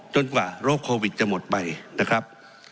กว่าโรคโควิดจะหมดไปนะครับ